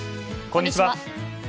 こんにちは。